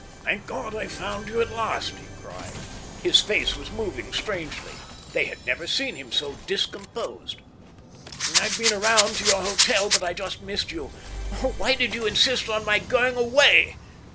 "Thank God, I've found you at last!" he cried. His face was moving strangely. They had never seen him so discomposed. "I've been round to your hotel, but I just missed you. Oh, why did you insist on my going away?"